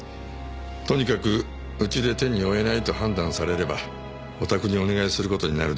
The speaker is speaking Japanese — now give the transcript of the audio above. とにかくうちで手に負えないと判断されればおたくにお願いする事になるでしょう。